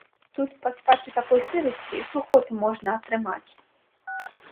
Тут паспаць у такой сырасці, сухоты можна атрымаць.